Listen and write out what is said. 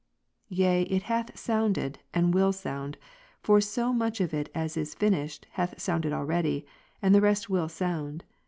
Yea it hath sounded, and will sound ; for so much of it as is finished, hath sounded already, and the rest will sound.